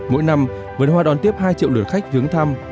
mỗi năm vườn hoa đón tiếp hai triệu lượt khách viếng thăm